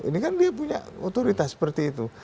ini kan dia punya otoritas seperti itu